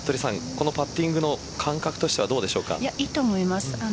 このパッティングの感覚としてはいいと思います。